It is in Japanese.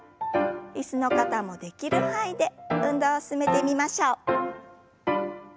椅子の方もできる範囲で運動を進めてみましょう。